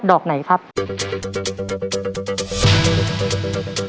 คุณฝนจากชายบรรยาย